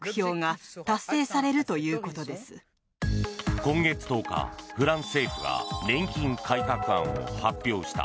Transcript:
今月１０日、フランス政府が年金改革案を発表した。